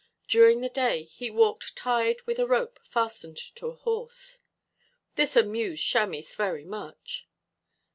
During the day he walked tied with a rope fastened to a horse; this amused Chamis very much.